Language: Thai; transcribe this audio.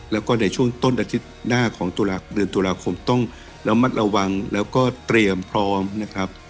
แล้วก็ในช่วงต้นอาทิตย์หน้าของเดือนตุลาคมต้องระมัดระวังแล้วก็เตรียมพร้อมนะครับ